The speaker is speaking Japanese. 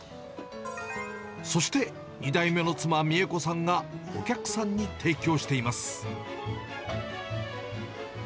そして、２代目の妻、美枝子さんが、お客さんに提供しています。